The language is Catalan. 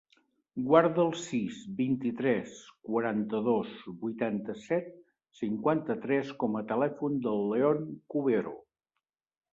Guarda el sis, vint-i-tres, quaranta-dos, vuitanta-set, cinquanta-tres com a telèfon del León Cubero.